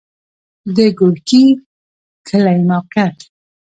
د ګورکي کلی موقعیت